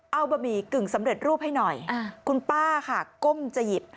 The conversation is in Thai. เอาบะหมี่กึ่งสำเร็จรูปให้หน่อยคุณป้าค่ะก้มจะหยิบ